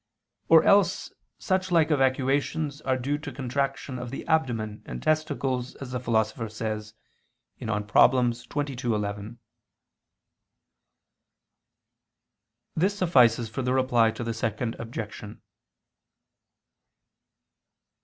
Or else such like evacuations are due to contraction of the abdomen and testicles, as the Philosopher says (De Problem. xxii, 11). This suffices for the Reply to the Second Objection.